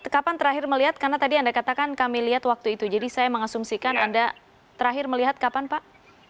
kapan terakhir melihat karena tadi anda katakan kami lihat waktu itu jadi saya mengasumsikan anda terakhir melihat kapan pak